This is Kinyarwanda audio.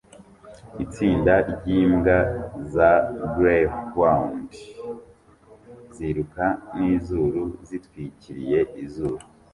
Itsinda ryimbwa za gryhound ziruka nizuru zitwikiriye izuru